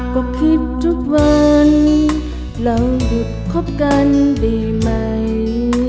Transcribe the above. ก็คิดทุกวันเราหยุดคบกันดีไหม